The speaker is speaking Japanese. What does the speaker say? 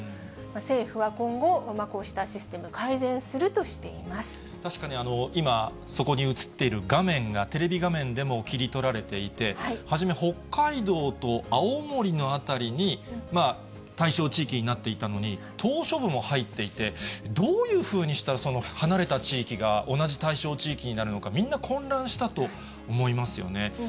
政府は今後、こうしたシステム、確かに今、そこに映っている画面が、テレビ画面でも切り取られていて、初め、北海道と青森の辺りに、対象地域になっていたのに、島しょ部も入っていて、どういうふうにしたら、その離れた地域が同じ対象地域になるのか、みんな混乱したと思いますよね。